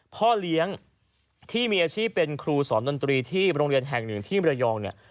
พ่อเลี้ยงที่มีอาชีพเป็นครูสอนดนตรีที่โรงเรียนแห่งหนึ่งที่มรยองเนี่ย